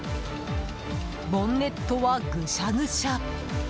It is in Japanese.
ボンネットはぐしゃぐしゃ。